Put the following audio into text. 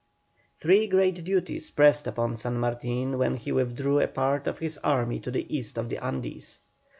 Three great duties pressed upon San Martin when he withdrew a part of his army to the east of the Andes.